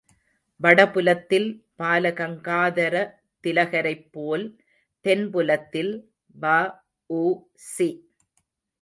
வடபுலத்தில் Balagangadhara திலகரைப் போல் தென்புலத்தில் V.O.C..